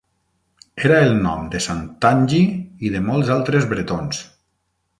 Era el nom de Sant Tangi i de molts altres bretons.